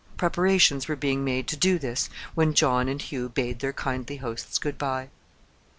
Preparations were being made to do this when John and Hugh bade their kindly hosts good bye.